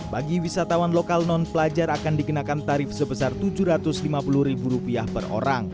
bagi wisatawan lokal non pelajar akan dikenakan tarif sebesar rp tujuh ratus lima puluh ribu rupiah per orang